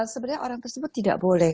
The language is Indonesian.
sebenarnya orang tersebut tidak boleh